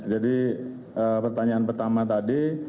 jadi pertanyaan pertama tadi